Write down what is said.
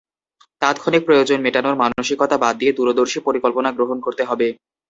তাৎক্ষণিক প্রয়োজন মেটানোর মানসিকতা বাদ দিয়ে দূরদর্শী পরিকল্পনা গ্রহণ করতে হবে।